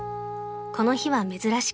［この日は珍しく］